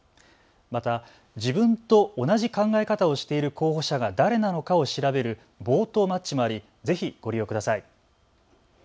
また自分と同じ考え方をしている候補者が誰なのかを調べるボートマッチもありぜひご利用ください。